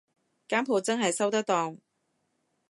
間舖真係收得檔